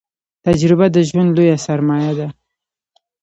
تجربه د ژوند لويه سرمايه ده